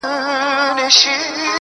په همزولو په سیالانو کي منلې -